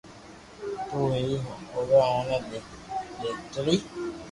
تو ھين اووي اوني ڌاڪٽري